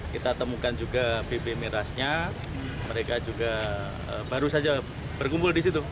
kita temukan juga bibir mirasnya mereka juga baru saja berkumpul disitu